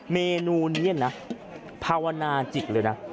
เมนูนี้นะภาวนาจิกเลยนะ